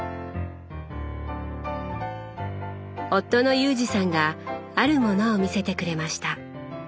夫の裕二さんがあるものを見せてくれました。